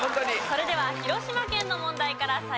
それでは広島県の問題から再開です。